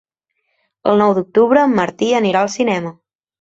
El nou d'octubre en Martí anirà al cinema.